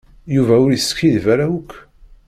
Yuba ur yeskiddib ara akk.